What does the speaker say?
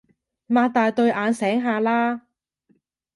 擘大對眼醒下啦